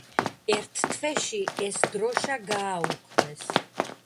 ერთ თვეში ეს დროშა გააუქმეს.